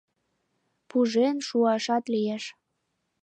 Пужен шуашат лиеш.